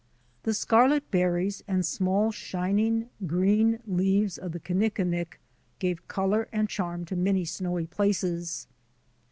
The scarlet berries and small, shining green leaves of the kinnikinick gave colour and charm to many snowy places.